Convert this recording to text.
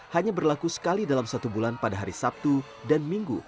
hanya berlaku sekali dalam satu bulan pada hari sabtu dan minggu